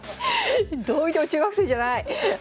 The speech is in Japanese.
どう見ても中学生じゃない！